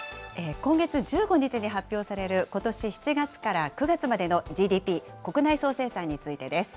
今月１５日に発表される、ことし７月から９月までのＧＤＰ・国内総生産についてです。